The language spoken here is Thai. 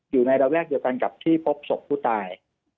อยู่ในระแวกเดียวกันกับที่พบศพผู้ตาย